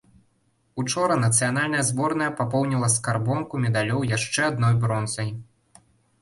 Учора нацыянальная зборная папоўніла скарбонку медалёў яшчэ адной бронзай.